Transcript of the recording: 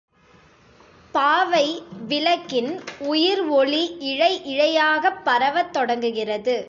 பாவை விளக்கின் உயிர் ஒளி இழை இழையாகப் பரவத் தொடங்குகிறது.